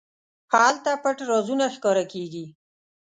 هلته پټ رازونه راښکاره کېږي.